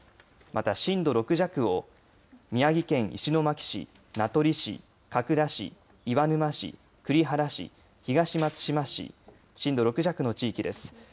また震度６弱を宮城県石巻市、名取市、角田市、岩沼市、栗原市、東松島市、震度６弱の地域です。